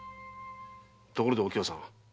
ところでお喜和さん